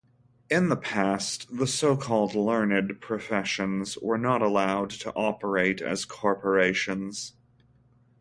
In the past, the so-called "learned professions" were not allowed to operate as corporations.